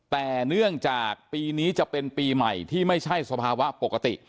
แต่เนื่องจากปีนี้จะเป็นปีใหม่ที่ไม่ใช่สภาวะปกติ